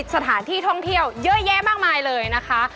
สถานที่ท่องเที่ยวเยอะแยะมากมายเลยนะคะ